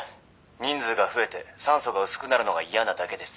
「人数が増えて酸素が薄くなるのが嫌なだけです」